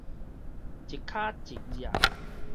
一跤一跡